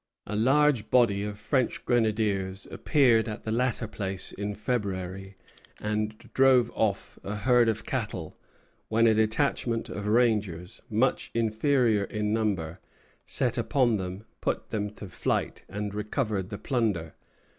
A large body of French grenadiers appeared at the latter place in February, and drove off a herd of cattle; when a detachment of rangers, much inferior in number, set upon them, put them to flight, and recovered the plunder.